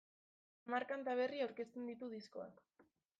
Hamar kanta berri aurkezten ditu diskoak.